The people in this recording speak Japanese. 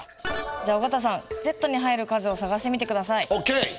じゃあ尾形さんｚに入る数を探してみて下さい。